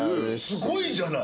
すごいじゃない。